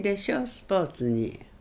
スポーツに。